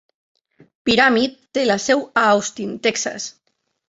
"Pyramid" té la seu a Austin, Texas.